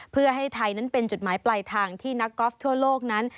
เพื่อให้ไทยนั้นเป็นจุดหมายปลายทางที่นักกอล์ฟทั่วโลกนั้น